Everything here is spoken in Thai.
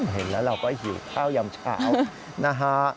เห็นแล้วเราก็หิวข้าวยำเช้านะฮะ